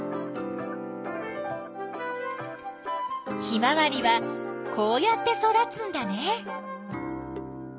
ヒマワリはこうやって育つんだね。